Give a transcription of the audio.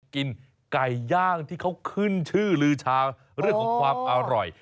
กินไก่ย่างที่เขาขึ้นชื่อลือชาเรื่องของความอร่อย